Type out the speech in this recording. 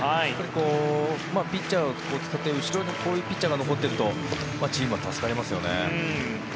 ピッチャー後ろに、こういうピッチャーが残っているとチームは助かりますよね。